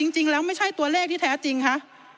จริงแล้วไม่ใช่ตัวเลขที่แท้จริงค่ะ